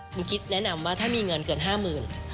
คุณคิดแนะนำว่าถ้ามีเงินเกิน๕๐๐๐บาท